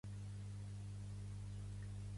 Després van tenir una filla, l'actriu Krisinda Cain.